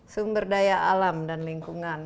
sumber daya alam dan lingkungan